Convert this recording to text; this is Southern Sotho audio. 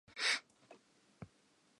Ithute ho ngola lebitso la hao.